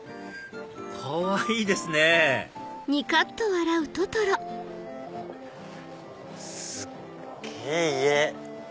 かわいいですねすっげぇ家。